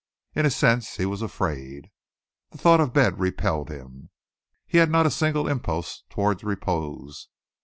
In a sense he was afraid. The thought of bed repelled him. He had not a single impulse towards repose.